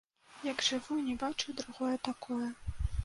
Як жыву, не бачыў другое такое!